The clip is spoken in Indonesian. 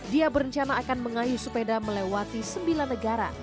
dia berencana akan mengayuh sepeda melewati sembilan negara